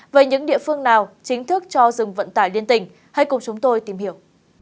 về những địa phương nào chính thức cho dừng vận tải liên tỉnh hãy cùng chúng tôi tìm hiểu